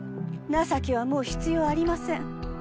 情けはもう必要ありません。